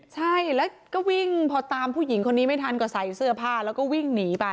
ใช่แล้วก็วิ่งพอตามผู้หญิงคนนี้ไม่ทันก็ใส่เสื้อผ้าแล้วก็วิ่งหนีไป